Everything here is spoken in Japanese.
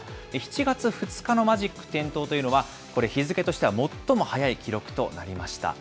７月２日のマジック点灯というのは、これ、日付としては最も早い記録となりました。